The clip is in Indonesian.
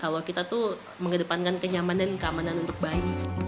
kalau kita tuh mengedepankan kenyamanan dan keamanan untuk bayi